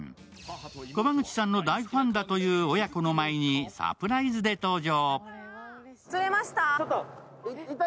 川口さんの大ファンだという親子の前にサプライズで登場。